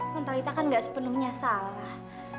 non talitha kan gak sepenuhnya salah